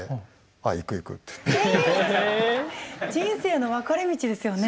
人生の分かれ道ですよね。